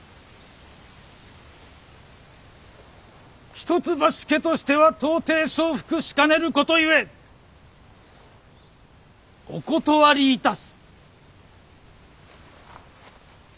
一橋家としては到底承服しかねることゆえお断りいたす。